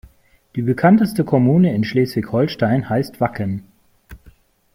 Die bekannteste Kommune in Schleswig-Holstein heißt Wacken.